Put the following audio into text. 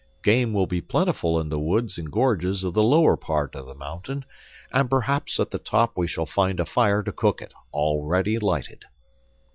Game will be plentiful in the woods and gorges of the lower part of the mountain, and perhaps at the top we shall find a fire to cook it, already lighted."